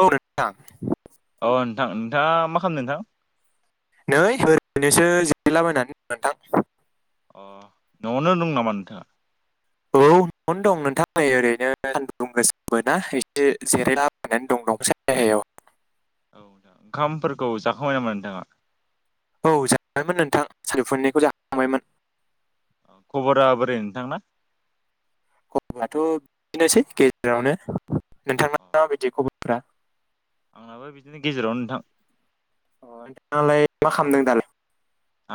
औ नोंथां अ नोंथां नोंथाङा मा खालामदों नोंथां? नै ओरैनोसो जिरलाबायनानै नोंथां अ न'आवनो दं नामा नोंथाङा? औ न'आवनो दं नोंथां नै ओरैनो सानदुं गोसाबो ना एसे जिरायलाबायनानै दं दंफां सायहायाव औ ओंखामफोरखौ जाखांबाय नामा नोंथाङा औ जाबायमोन नोंथां सानजुफुनिखौ जाखांबायमोन! खबरा बोरै नोंथांना! खबरआथ' बिदिनोसै गेजेरावनो नोंथाङा अ माबायदि खबर फ्रा आंनाबो बिदिनो गेजेरावनो नोंथां अ नोंथाङालाय मा खालामदों दालाय-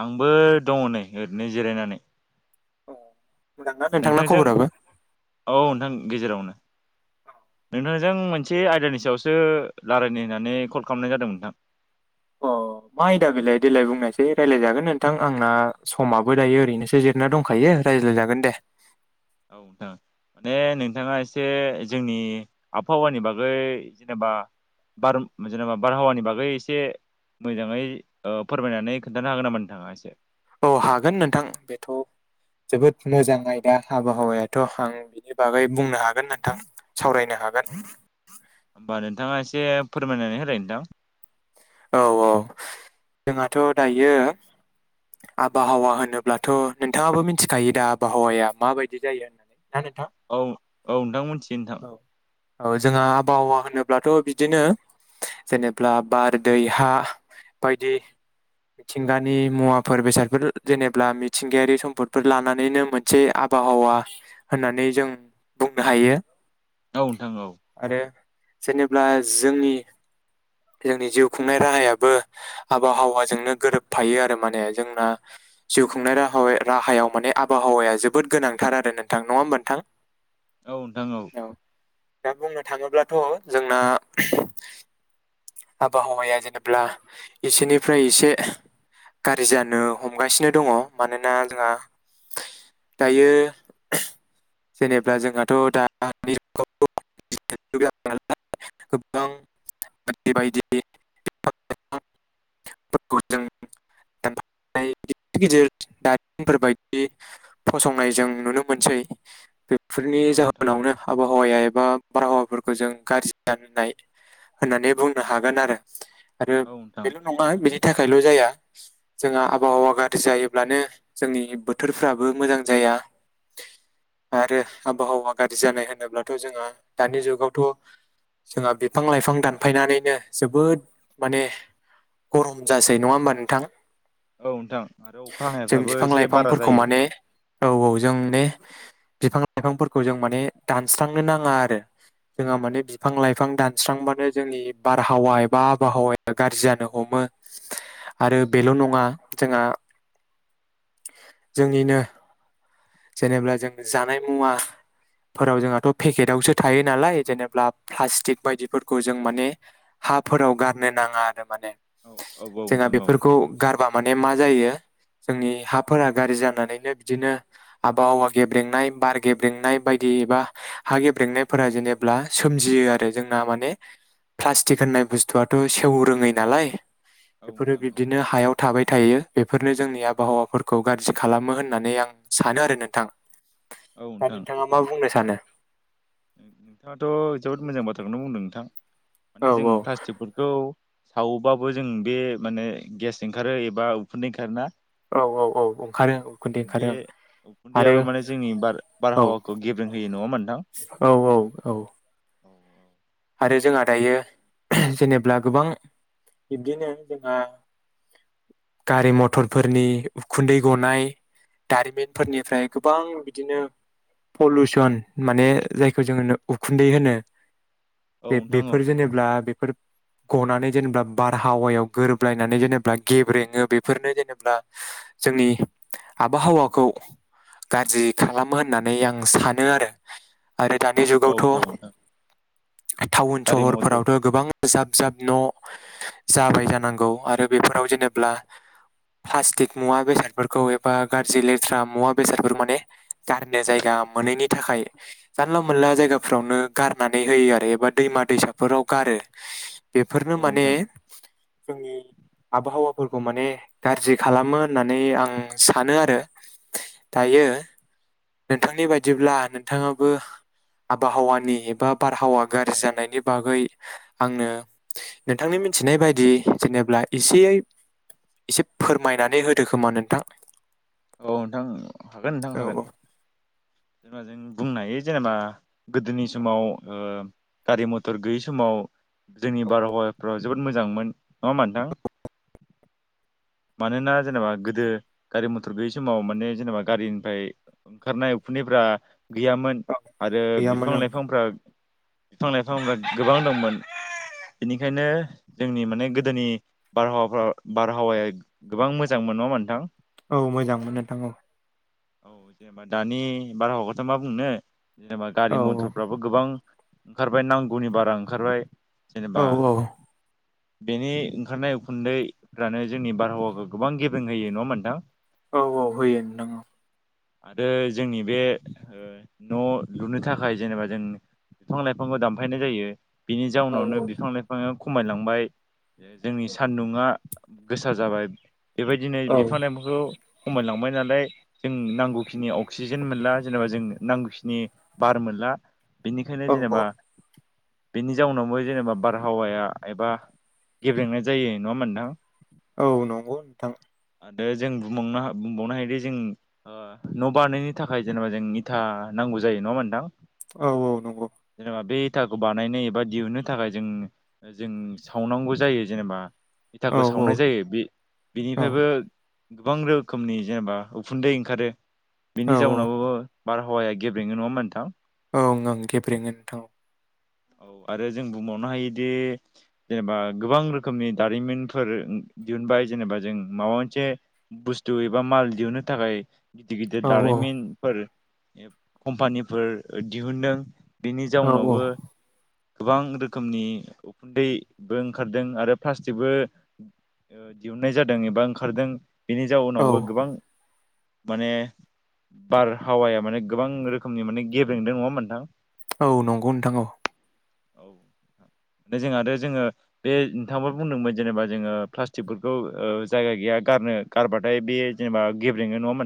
आंबो दङ नै ओरैनो जिरायनानै- औ' नोंथांजों औ नोंथां गेजेरावनो नोंथां जों मोनसे आयदानि सायावसो रायलायनो होननानै कल खालामनाय जादोंमोन नोंथां अ मा आयदा बेलाय देलाय बुंनायसाय रायज्लायजागोन नोंथां आंना समाबो दायो ओरैनोसो जिरना दंखायो रायज्लायजागोन दे! [unintelligible] [inaudible] औ नोंथां माने नोंथाङा एसे जोंनि आबहावानि बागै जेनेबा- बा बार- जेनेबा बारहावानि बागै एसे- मोजाङै ओ फोरमायनानै खोन्थानो हागोन नामा नोंथाङा एसे औ हागोन नोंथां बेथ' - जोबोद मोजां आयदा आबहावायाथ' आं बिनि बागै बुंनो हागोन नोंथां! सावरायनो हागोन । बा नोंथाङा एसे फोरमायनानै होलाय नोंथां । औ-औ जोंहाथ' दायो आबहावा होनोब्लाथ' नोंथाङाबो मिथिखायो दा आबहावाया माबायदि जायो होननानै । औ-औ नोंथां मोनथि औ-औ जोंहा आबहावा होनोब्लाथ' बिदिनो जेनेब्ला बार दै हा बायदि । मिथिंगानि मुवाफोर बेसादफोर जेनेबा मिथिंगायारि सम्पदफोर लानानैनो मोनसे आब आबहावा होननानै जों बुंनो हायो । औ नोंथां औ । जेनेब्ला जोंनि जोंनि जिउ खुंनाय राहायाबो आबहावाजोंनो गोरोबफायो आरो माने जोंना जिउ खुंनाय राहा वे राहायाव माने आबहावाया जोबोद गोनांथार आरो नोंथां नङा होमब नोंथां । औ नोंथां औ । औ दा बुंनो थाङोब्लाथ' जोंना आबहावाया जेनेब्ला एसेनिफ्राय एसे गारि जानो हमगासिनो दङ' मानोना जोंहा दायो जेनेब्ला जोंहाथ' दानि जुगाव [unintelligible] गोबां [unintelligible] बेबायदि [unintelligible] [inaudible] गिदिर दारिमिनफोरबायदि फसंनाय जों नुनो मोनसै फोरनि औ नोंथां औ जाहोनावनो आबहावाया एब बा बारहावाफोरखौ जों गाज्रि जनाय होननानै बुंनो हागोन आरो आरो औ नोंथां बेल' नङा बेनि थाखायल' जाया जोंहा आबहावा गाज्रि जायोब्लानो जोंनि बोथोरफ्राबो मोजां जाया । [inaudible] आरो आबहावा गाज्रि जानाय होनोब्लाथ' जोंहा दानि जुगावथ' जोंहा बिफां लाइफां दानफायनानै मे जोबोद माने गरम जासै नङा होमबा नोंथां? औ नोंथां आरो अखा जों हानायफ्राबो बिफां एसे बारा लाइफांफोरखौ जायो माने औ औ जों बे बिफां लाइफांफोरखौ जों माने दानस्रांनो नाङा आरो जोंहा माने बिफां लाइफां दानस्रांबानो जोंनि बारहावा एबा आबहावाया गाज्रि जानो हमो आरो बेल' नङा जोंहा जोंनिनो जेनेब्ला जोंनो जानाय मुवा फोराव जोंहाथ' पेकेटआवसो थायो नालाय जेनेबा प्लास्टिक बायदिफोरखौ जों माने हाफोराव गारनो नाङा आरो माने औ औ जोंहा नोंथां औ बेफोरखौ गारबा माने मा जायो जोंनि हाफोरा गाज्रि जानानैनो बिदिनो आबहावा गेब्रेंनाय बार गेब्रेंनाय बायदि एबा हा गेब्रेंनायफोरा जेनेबा सोमजियो आरो जोंना माने फ्लासटिक होननाय बुस्थुाथ' सेव रोङै नालाय औ बेफोरो नोंथां औ बिदिनो हायाव थाबाय थायो बेफोरनि जोंनि आबहावाफोरखौ गाज्रि खालामो होननानै आं सानो आरो नोंथां औ । दा नोंथाङा मा बुंनो सानो? उम नोंथाङाथ' जोबोद मोजां बाथ्राखौनो बुंदों नोंथां औ माने जों प्लास्टिकफोरखौ सावबाबो जों बे माने गेस ओंखारो एबा उफुन्दै ओंखारोना औ औ ओंखारो उखुन्दै बे ओंखारो ओं आरो उफुन्दैयाबो माने जोंनि बार औ बारहावाखौ गेबें होयो नङा होमबा नोंथां? औ औ औ । औ औ । आरो जोंहा दायो जेनेब्ला गोबां बिब्दिनो जोंहा गारि मथरफोरनि उखुन्दै गनाय दारिमिनफोरनिफ्राय गोबां बिदिनो पलुसन माने जायखौ जोङो उखुन्दै होनो जे नोंथां औ नोंथां बेफोर औ जेनेब्ला बेफोर गनानै जेनेबा बारहावायाव गोरोबलायनानै जेनेब्ला गेब्रेङो बेफोरनो जेनेबा जोंनि आबहावाखौ गाज्रि खालामो होननानै आं सानो आरो आरो दानि औ औ जुगावथ' नोंथां टाउन गारि मथर सहरफोरावथ' गोबां जाब जाब न' जाबाय जानांगौ आरो बेफोराव जेनेब्ला प्लास्टिक मुवा बेसादफोरखौ एबा गाज्रि लेथ्रा मुवा बेसादफोरखौ माने गारनो जायगा गा मोनैनि थाखाय जानला मोनला जायगाफोरावनो गारनानै होयो आरो एबा दैमा दैसाफोराव गारो बेफोरनो औ माने नोंथां जोंनि आबहावाफोरखौ माने गाज्रि खालामो होननानै आं सानो आरो दायो यो। नोंथांनि बायदिब्ला नोंथाङाबो आबहावानि एबा बारहावा गारजि जानायनि बागै आंनो नोंथांनि मिथिनाय बायदि जेनेब्ला एसे एसे फोरमायनानै होदो खोमा नोंथां? औ नोंथां हागोन नोंथां औ हागोन औ जेनेबा जों बुंनो हायो जेनेबा गोदोनि समाव ओ गारि मथर गैयि समाव जोंनि बारहावाफ्राव जोबोद मोजांमोन नङा होमबा नोंथां? मानोना जेनेबा गोदो गारि मथर थर गैयै समाव माने जेनेबा गारिनिफ्राय ओंखारनाय उखुनदैफ्रा गैयामोन औ आरो गैयामोन बिफां ओं लाइफांफ्रा बिफां-लाइफांफ्रा गोबां दंमोन। बेनिखायनो जोंनि माने गोदोनि बारहावाफ्रा बारहावाया गोबां मोजां मोन नङा होमब्ला नोंथां? औ मोजां मोन नोंथां औ। औ जेनेबा दानि बारहावखौथ' मा बुंनो जेनेबा औ गारि मथरफ्राबो गोबां ओंखारबाय नांगौनि बारा ओंखारबाय औ जेनेबा औ बेनि ओंखारनाय उखुन्दैफ्रानो जोंनि बारहावाखौ गोबां गेबेें होयो नङा होमबा नोंथां? औ औ होयो नोंगौ। आरो जोंनि बे ओ न' लुनो थाखाय जेनेबा जों बिफां-लाइफांबो दानफायनाय जायो। बिनि औ जाउनावनो बिफां लाइफाङा खमायलांबाय जोंनि सान्दुङा गोसाार जाबाय बेबायदिनो औ बिफां लाइफांखौ खमायलांबाय नालाय जों नांगौखिनि अक्सिजेन मोनला जेनेबा जों नांगौखिनि बार मोन ला बिनिखायनो औ औ जेनेबा बेनि जाउनावबो जेनेबा बारहावाया एबा गेब्रेंनाय जायो नङा होनबा नोंथां? औ नंगौ नोंथां। आरो जों बुंबावनो हा बुंबावनो हायोदि जों ओ न' बानायनो थाखाय जेनेबा जों इथा नांगौ जायो नङा होमबा नोंथां? औ औ नंगौ। जेनेबा बे इथाखौ बानायनो एबा दिहुननो थाखाय जों जों सावनांगौ जायो जेनेबा औ इथाखौ सावनाय जायो बे औ बेनिफ्रायबो गोबां रो खोमनि जेनेबा उखुन्दै ओंखारो बिनि औ जाउनावबो बारहावाया गेब्रेङो नङा होमबा नोंथां। ओं ओं गेब्रेंङो नोथां। औ आरो जों बुंबावनो हायोदि जेनेबा गोबां रोखोमनि दारिमिनफोर दिहुनबाय जेनेबा जों माबा मोनसे बुस्थु एबा माल दिहुननो थाखाय गिदिर गिदिर औ दारिमिनफोर कम्पानिफोर दिहुनदों। बिनि औ जाउनावबो गोबां रोखोमनि उखुन्दैबो ओंखारदों आरो प्लास्टिकबो ओ दिहुनन्नाय जादों एबा ओंखारदों बेनि औ जाउनावबो गोबां माने बारहावाया माने गोबां रोखोमनि माने गेबेंदों नङा होनबा नोथां? औ नंगौ नोंथां औ। औ नोंथां। ने जों आरो जोङो बे नोंथांङाबो बुंदोंमोन जेनेबा जोङो प्लास्टिकफोरखौ ओ जायगा गैया गा गारनो गारबाथाय बे जेनेबा गेब्रेनो नङा होनबा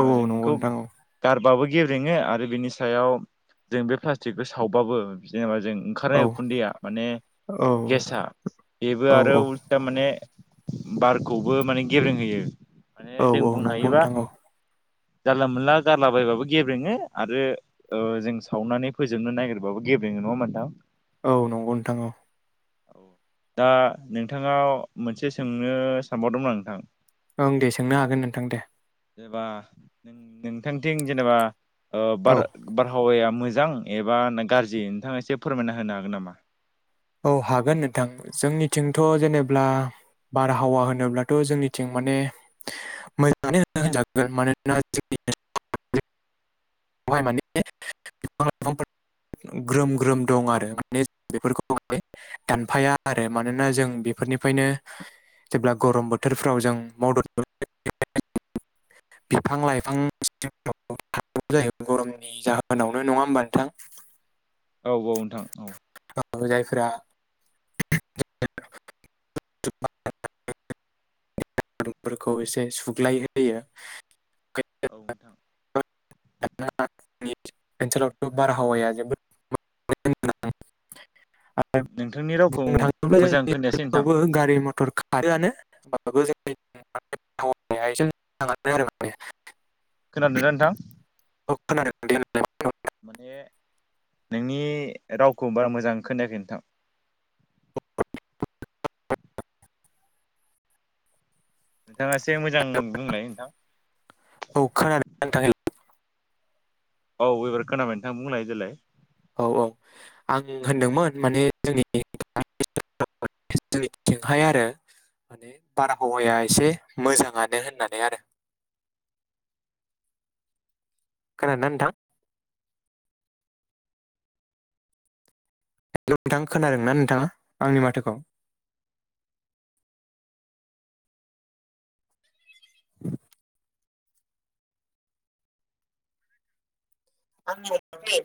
औ ओ औ नंगौ जोंखौ नोंथां औ गारबाबो गेब्रेङो आरो बिनि सायाव जों बे प्लास्टिकखौ सावबाबो जेनेबा जों औ ओंखारनाय उखुन्दैया माने औ गेसआ बेबो औ आरो उल्ता माने बारखौबो माने गेबेंहोयो माने औ जों औ बुंनो नंगौ हायोबा नोंथां औ जानला मोनला गारला बयबाबो गेब्रेङो आरो ओ जों सावनानै फोजो जोबनो नागिरबाबो गेब्रेङो नङा होनबा नोंथां? औ नंगौ नोंथां औ। औ दा नोंथाङाव मोनसे सोंनो सानबावदोंमोन आं नोंथां। ओं दे सोंनो हागोन नोंथां दे। जेनेबा नोंथांथिं जेनेबा ओ औ बार बारहावाया मोजां एबा गाज्रि नोंथाङा एसे फोरमायना होनो हागोन नामा? औ हागोन नोंथां जोंनिथिंथ जेनेब्ला बारहावा होनोब्लाथ जोंनिथिं माने मोजाङै होन होनजागोन मानोना जोंनि [inaudible] आवहाय माने बिफां लाइफांफोर ग्रोम ग्रोम दं आरो माने बेफोरखौ [unintelligible] दानफाया आरो मानोना जों बेफोरनिफ्रायनो जेब्ला गरम बोथोरफ्राव जों मदद [unintelligible] [inaudible] बिफां लाइफां [unintelligible] जायो गरमनि जाहोनावनो नङा होमबा नोंथां? औ औ नोंथां औ। जायफोरा [unintelligible] दुंफोरखौ एसे सुग्लाय होयो। औ नोंथां। [unintelligible] ओनसोलावथ बारहावाया जोबोद [unintelligible] [unintelligible] [unintelligible] नोंथांनि रावखौ बुंनो थाङोब्ला मोजां जोंनि खोनायासै नोंथां ओनसोलफ्रावबो गारि मथर खारोआनो बा [unintelligible] आरो माने खोनादों दा नोंथां? औ खोनादों दे होनलाय माने नोंनि रावखौ बारा मोजां खोनायाखै नोंथां। नोंथाङा एसे मोजां बुंलाय नोंथां। औ खोनादों नोंथांङै? औ एबार खोनाबाय नोंथां बुंलाय देलाय औ औ आंङो होनदोंमोन माने जोंनि [unintelligible] [unintelligible] जोंनिथिथिंहाय आरो माने बारहावाया एसे मोजाङानो होननानै आरो। [inaudible] खोनादोना नोंथां? हेल' नोंथां खोनादों ना नोंथाङा आंनि माथोखौ? [inaudible] आंनि [unintelligible]